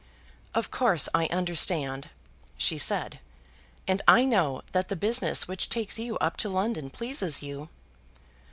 "Of course I understand," she said, "and I know that the business which takes you up to London pleases you."